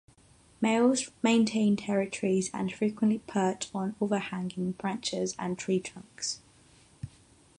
Males maintain territories and frequently perch on overhanging branches and tree trunks.